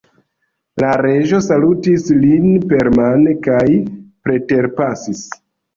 La Reĝo salutis lin permane kaj preterpasis.